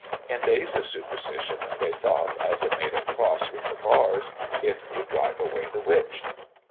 In days of superstition, they thought, as it made a cross with the bars, it would drive away the witch."